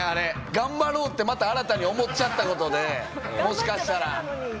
頑張ろうってまた新たに思っちゃった事でもしかしたら。